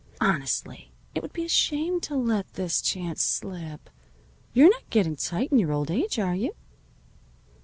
Honestly, it would be a shame to let this chance slip. You're not getting tight in your old age, are you?"